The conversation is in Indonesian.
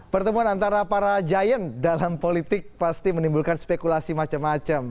pertemuan antara para giant dalam politik pasti menimbulkan spekulasi macam macam